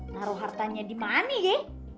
naruh hartanya di mana ye